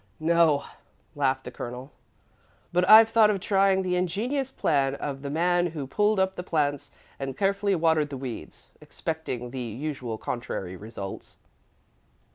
"No," laughed the Colonel, "but I've thought of trying the ingenious plan of the man who pulled up the plants and carefully watered the weeds, expecting the usual contrary results."